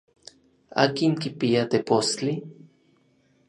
¿Akin kipia tepostli?